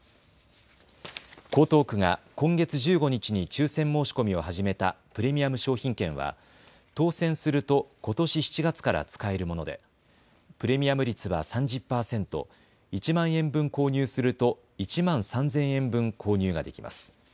江東区が今月１５日に抽せん申し込みを始めたプレミアム商品券は当せんするとことし７月から使えるものでプレミアム率は３０％、１万円分購入すると１万３０００円分購入ができます。